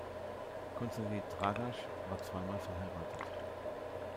Konstantin Dragaš war zweimal verheiratet.